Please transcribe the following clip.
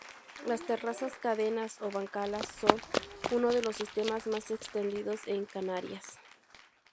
Las terrazas, cadenas o bancales son uno de los sistemas más extendidos en Canarias.